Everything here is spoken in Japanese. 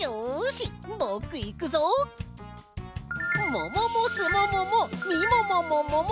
もももすもももみももももも！